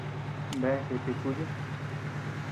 Bea gèète kuchi.